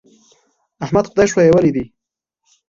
احمد خدای ښويولی دی.